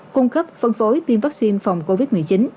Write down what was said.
cung cấp phân phối tiêm vaccine phòng covid một mươi chín